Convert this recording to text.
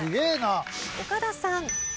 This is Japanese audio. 岡田さん。